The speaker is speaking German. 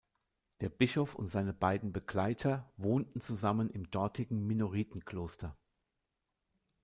Der Bischof und seine beiden Begleiter wohnten zusammen im dortigen Minoritenkloster.